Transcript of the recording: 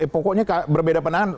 pokoknya berbeda pandangan